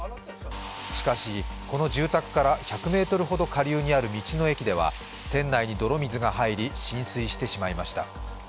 しかし、この住宅から１００ｍほど下流にある道の駅では店内に泥水が入り、浸水してしまいました。